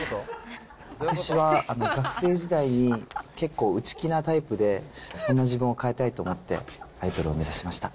私は学生時代に結構内気なタイプで、そんな自分を変えたいと思ってアイドルを目指しました。